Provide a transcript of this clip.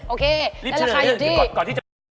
โอเคและราคาอยู่ที่